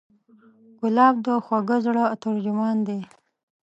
ګلاب د خوږه زړه ترجمان دی.